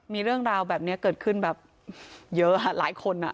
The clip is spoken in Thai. มีเรื่องราวแบบนี้เกิดขึ้นแบบเยอะหลายคน